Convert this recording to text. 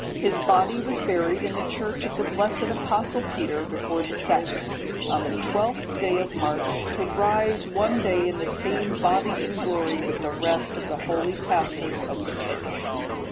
His body was buried in the church of the blessed Apostle Peter before the sacristy, on the 12th day of March, to rise one day in the same body in glory with the rest of the holy pastors of the Church.